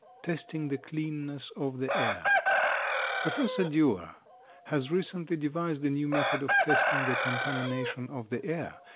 TESTING THE CLEANNESS OF THE AIR. Professor Dewar has recently devised a new method of testing the contamination of the air.